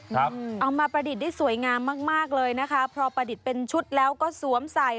เอามาประดิษฐ์ได้สวยงามมากมากเลยนะคะพอประดิษฐ์เป็นชุดแล้วก็สวมใส่